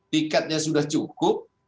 tiketnya sudah cukup